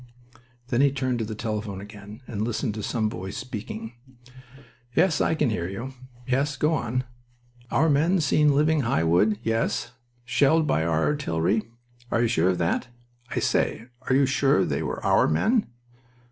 Then he turned to the telephone again and listened to some voice speaking. "Yes, I can hear you. Yes, go on. 'Our men seen leaving High Wood.' Yes. 'Shelled by our artillery.' Are you sure of that? I say, are you sure they were our men?